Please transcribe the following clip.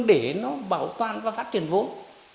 để nó bảo toàn và phát triển vốn